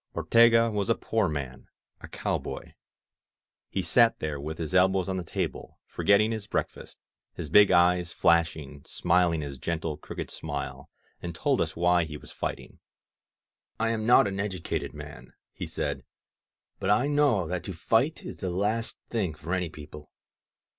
Ortega was a poor man, a cowboy. He sat there, with his elbows on the table, forgetting his break fast, his big eyes flashing, smiling his gentle, crooked smile, and told us why he was fighting. I am not an educated man," he said. ^^But I know that to fight is the last thing for any people.